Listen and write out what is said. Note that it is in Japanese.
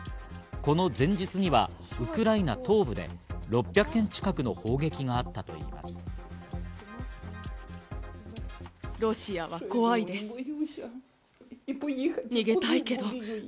この前日にはウクライナ東部で６００件近くの砲撃があったといいます。